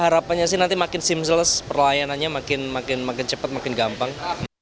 dan seamless perlayanannya makin cepat makin gampang